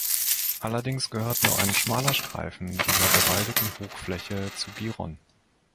Allerdings gehört nur ein schmaler Streifen dieser bewaldeten Hochfläche zu Giron.